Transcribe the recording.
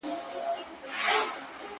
گراني شاعري زه هم داسي يمه.